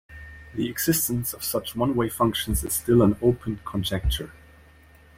The existence of such one-way functions is still an open conjecture.